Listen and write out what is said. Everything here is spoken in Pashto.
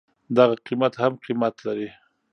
دغه قيمت هم قيمت لري.